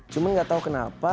cuma enggak tahu kenapa